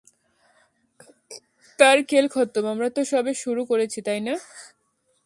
তার খেল খতম আমরা তো সবে শুরু করেছি, তাই না?